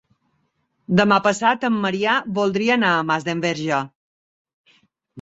Demà passat en Maria voldria anar a Masdenverge.